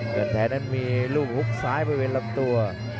เงินแพ้นั้นมีลวงฮุกซ้ายเป็นลำตัว